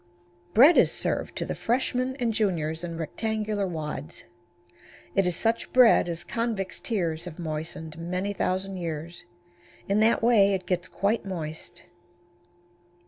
Bread is served to the Freshmen and Juniors in rectangular wads. It is such bread as convicts' tears have moistened many thousand years. In that way it gets quite moist.